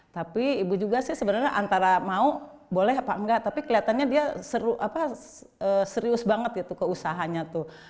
tapi ibu juga sih sebenarnya antara mau boleh apa enggak tapi kelihatannya dia serius banget gitu keusahanya tuh